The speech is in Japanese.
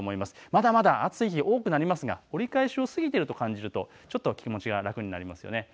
まだまだ暑い日が多くなりますが折り返しを過ぎていると感じるとちょっと気持ちが楽になりますよね。